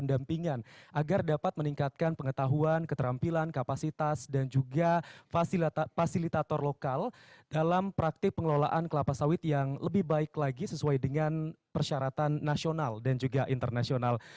agar dapat meningkatkan pengetahuan keterampilan kapasitas dan juga fasilitator lokal dalam praktik pengelolaan kelapa sawit yang lebih baik lagi sesuai dengan persyaratan nasional dan juga internasional